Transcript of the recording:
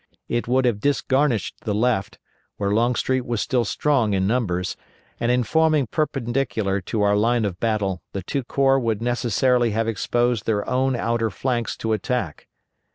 It would have disgarnished the left, where Longstreet was still strong in numbers, and in forming perpendicular to our line of battle the two corps would necessarily have exposed their own outer flanks to attack.